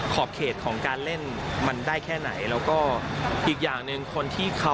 ขอบเขตของการเล่นมันได้แค่ไหน